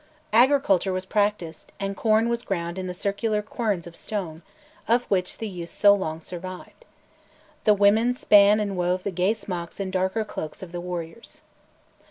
Agriculture was practised, and corn was ground in the circular querns of stone, of which the use so long survived. The women span and wove the gay smocks and darker cloaks of the warriors.